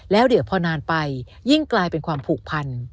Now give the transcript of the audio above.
แล้วเดี๋ยวพอนานไปยิ่งกลายเป็นความผูกพัน